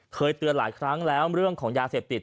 เคยเตือนหลายครั้งแล้วเรื่องของยาเสพติด